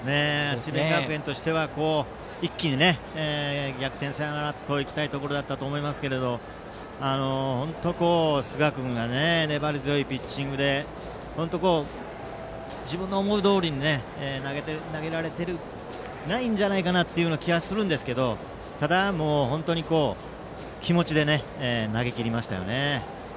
智弁学園としては一気に逆転サヨナラといきたいところでしたが寿賀君が粘り強いピッチングで自分の思いどおりに投げられていないんじゃないかという気がするんですがただ、気持ちで投げ切りましたね。